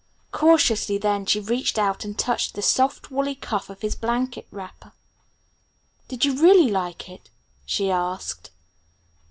Cautiously then she reached out and touched the soft, woolly cuff of his blanket wrapper. "Did you really like it?" she asked.